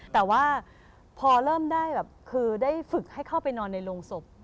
แต่ว่าพอเริ่มได้แบบคือได้ฝึกให้เข้าไปนอนในโรงศพ